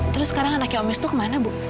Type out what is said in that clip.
terus sekarang anaknya om wisnu kemana bu